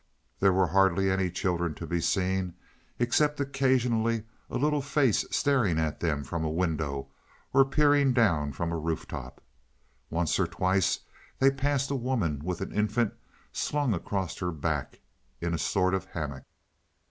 There were hardly any children to be seen, except occasionally a little face staring at them from a window, or peering down from a roof top. Once or twice they passed a woman with an infant slung across her back in a sort of hammock.